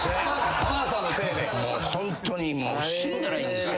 ホントにもう死んだらいいんですよ。